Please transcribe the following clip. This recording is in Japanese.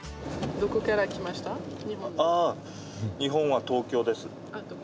ああ、日本は東京です。